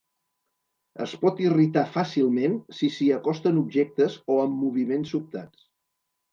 Es pot irritar fàcilment si s'hi acosten objectes o amb moviments sobtats.